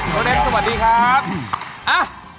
โตเด็กสวัสดีครับ